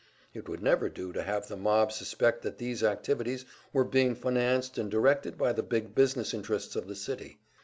It would never do to have the mob suspect that these activities were being financed and directed by the big business interests of the city.